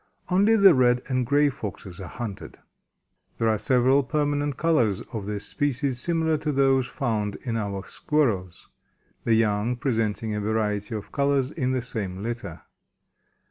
Only the Red and Grey Foxes are hunted. There are several permanent colors of this species similar to those found in our Squirrels, the young presenting a variety of colors in the same litter.